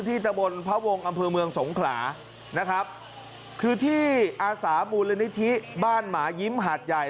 ตะบนพระวงศ์อำเภอเมืองสงขลานะครับคือที่อาสามูลนิธิบ้านหมายิ้มหาดใหญ่